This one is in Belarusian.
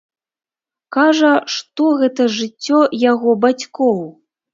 Кажа, што гэта жыццё яго бацькоў.